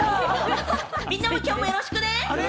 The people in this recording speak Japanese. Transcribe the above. みんなも今日よろしくね！